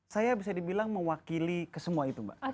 saya bisa dibilang mewakili ke semua itu mbak